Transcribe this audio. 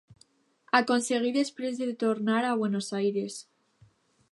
Aconseguí després de tornar a Buenos Aires.